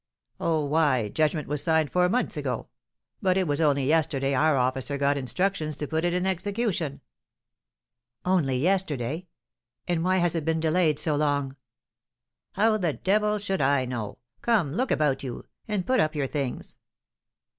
"Oh, why, judgment was signed four months ago! But it was only yesterday our officer got instructions to put it in execution." "Only yesterday! And why has it been delayed so long?" "How the devil should I know? Come, look about you, and put up your things."